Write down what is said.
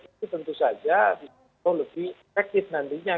itu tentu saja lebih efektif nantinya